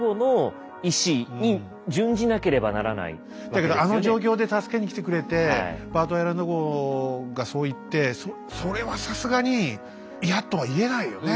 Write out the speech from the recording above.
だけどあの状況で助けに来てくれて「バートンアイランド号」がそう言ってそれはさすがに嫌とは言えないよね。